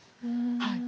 はい。